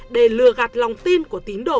để lừa gạt lòng tin của tín đổ